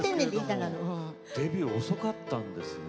デビュー遅かったんですね